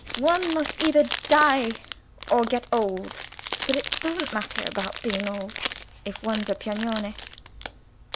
One must either die or get old. But it doesn't matter about being old, if one's a Piagnone."